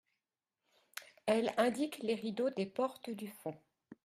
Elle indique les rideaux des portes du fond.